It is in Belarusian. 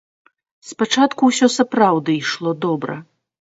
Спачатку ўсё сапраўды ішло добра.